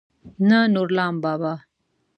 نه نورلام بابا.